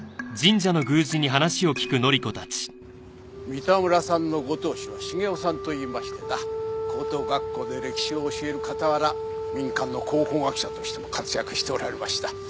三田村さんのご当主は重雄さんといいましてな高等学校で歴史を教える傍ら民間の考古学者としても活躍しておられました。